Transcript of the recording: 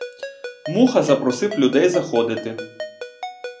Муха запросив людей заходити.